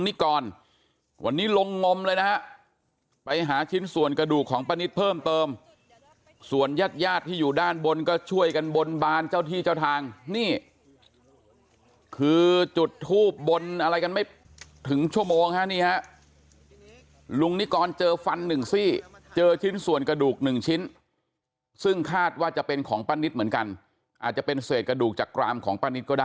นิกรวันนี้ลงงมเลยนะฮะไปหาชิ้นส่วนกระดูกของป้านิตเพิ่มเติมส่วนญาติญาติที่อยู่ด้านบนก็ช่วยกันบนบานเจ้าที่เจ้าทางนี่คือจุดทูบบนอะไรกันไม่ถึงชั่วโมงฮะนี่ฮะลุงนิกรเจอฟันหนึ่งซี่เจอชิ้นส่วนกระดูกหนึ่งชิ้นซึ่งคาดว่าจะเป็นของป้านิตเหมือนกันอาจจะเป็นเศษกระดูกจากกรามของป้านิตก็ได้